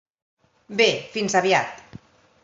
Bé, fins aviat.